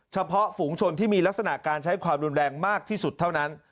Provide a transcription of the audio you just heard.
ฝูงชนที่มีลักษณะการใช้ความรุนแรงมากที่สุดเท่านั้น